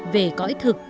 về cõi thực